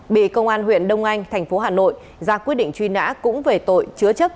bị công an huyện đông anh thành phố hà nội ra quyết định truy nã cũng về tội chứa chấp